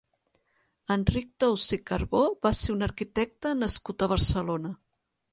Enric Tous i Carbó va ser un arquitecte nascut a Barcelona.